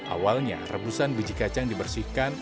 awalnya rebusan biji kacang dibersihkan